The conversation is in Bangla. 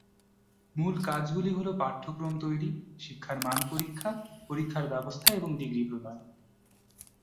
মূল কাজগুলি হল: পাঠ্যক্রম তৈরি, শিক্ষার মান পরীক্ষা, পরীক্ষার ব্যবস্থা এবং ডিগ্রী প্রদান।